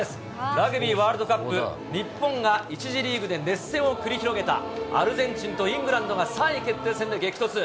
ラグビーワールドカップ、日本が１次リーグで熱戦を繰り広げた、アルゼンチンとイングランドが３位決定戦で激突。